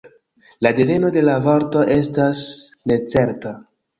La deveno de la vorto estas necerta.